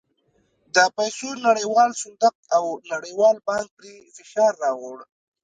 د پیسو نړیوال صندوق او نړیوال بانک پرې فشار راووړ.